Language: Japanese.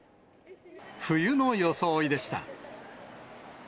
冬の装いでした。